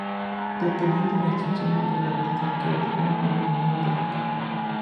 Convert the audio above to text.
Dependiendo de la instrucción, puede haber cero, uno, dos o más operandos.